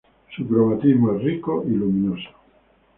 Su cromatismo es rico y luminoso.